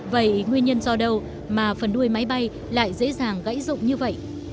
vậy nguyên nhân do đâu mà phần đuôi máy bay lại dễ dàng gãy rụng như vậy